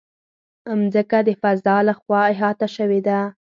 مځکه د فضا له خوا احاطه شوې ده.